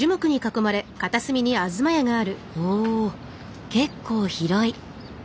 おお結構広い。